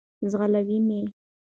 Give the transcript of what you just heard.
ځغلوی مي .